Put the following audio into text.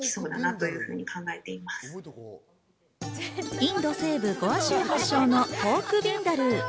インド西部・ゴア州発祥のポークビンダルー。